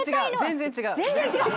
全然違う！？